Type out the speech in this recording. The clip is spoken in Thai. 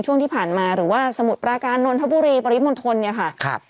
ช่วงที่ผ่านมาหรือว่าสมุทรประกาศนนทบุรีปริมณฑลค่ะ